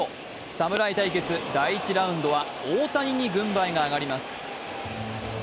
侍対決、第１ラウンドは大谷に軍配が上がります。